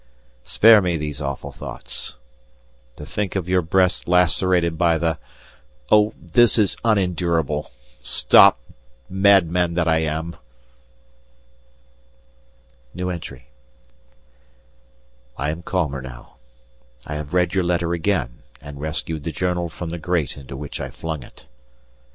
spare me these awful thoughts. To think of your breasts lacerated by the Oh! this is unendurable! Stop, madman that I am! I am calmer now; I have read your letter again and rescued the journal from the grate into which I flung it.